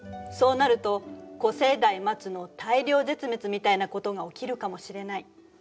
そうなると古生代末の大量絶滅みたいなことが起きるかもしれない。